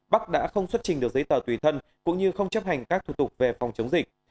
bắc đã không xuất trình được giấy tờ tùy thân cũng như không chấp hành các thủ tục về phòng chống dịch